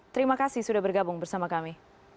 terima kasih sudah bergabung bersama kami